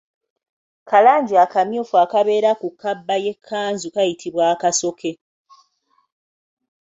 Kalangi akamyufu akabeera ku kabba y’ekkanzu kayitibwa Akasoke.